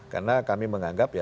karena kami menganggap ya